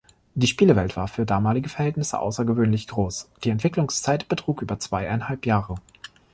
Die Spielewelt war für damalige Verhältnisse außergewöhnlich groß, die Entwicklungszeit betrug über zweieinhalb Jahre.